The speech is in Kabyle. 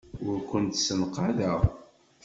Ur kent-ssenqadeɣ.